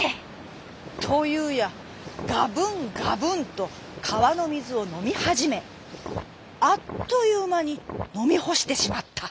というやがぶんがぶんとかわのみずをのみはじめあっというまにのみほしてしまった。